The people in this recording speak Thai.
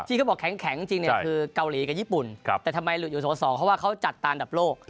เขาบอกแข็งจริงเนี่ยคือเกาหลีกับญี่ปุ่นแต่ทำไมหลุดอยู่๒เพราะว่าเขาจัดตามอันดับโลก